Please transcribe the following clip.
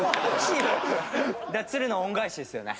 『鶴の恩返し』ですよね。